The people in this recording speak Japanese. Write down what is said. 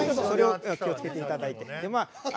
それを気をつけていただいて。